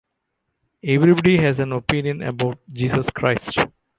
Everybody has an opinion about Jesus Christ.